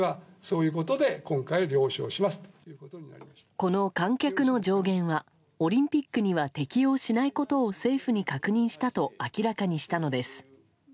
この観客の上限はオリンピックには適用しないことを政府に確認したと明らかにしたのです。